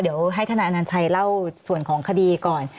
เดี๋ยวให้ทนายอนัญชัยเล่าส่วนของคดีก่อน